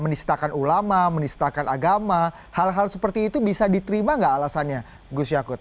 menistakan ulama menistakan agama hal hal seperti itu bisa diterima nggak alasannya gus yakut